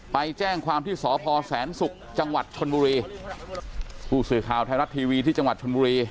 ไปแจ้งความที่สพแสนศุกร์จังหวัดชนบุรีผู้สื่อข่าวไทยรัฐทีวีที่จังหวัดชนบุรี